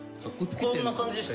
こんな感じでした。